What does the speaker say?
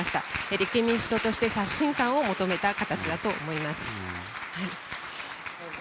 立憲民主党として刷新感を求めた形だと思います。